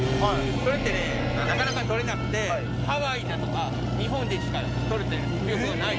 それってね、なかなか取れなくて、ハワイだとか日本でしか取れてない。